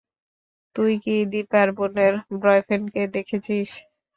তুই কি দিপার বোনের বয়ফ্রেন্ডকে দেখেছিস?